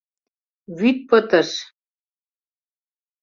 — Вӱд пытыш!